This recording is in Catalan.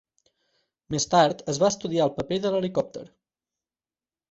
Més tard es va estudiar el paper de l'helicòpter.